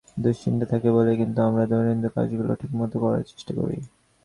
দুশ্চিন্তা থাকে বলেই কিন্তু আমরা দৈনন্দিন কাজগুলো ঠিকমতো করার চেষ্টা করি।